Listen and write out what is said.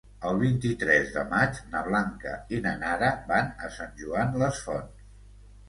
El vint-i-tres de maig na Blanca i na Nara van a Sant Joan les Fonts.